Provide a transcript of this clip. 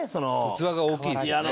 器が大きいですよね。